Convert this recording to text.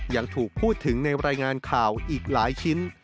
ยังถูกพูดถึงในรายงานข่าวอีกหลายชิ้น